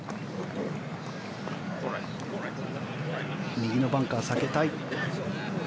右のバンカー、避けたい。